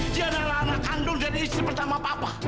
dia adalah anak kandung dan istri pertama papa